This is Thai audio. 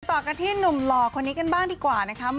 ต่อกันที่หนุ่มหล่อคนนี้กันบ้างดีกว่านะคะ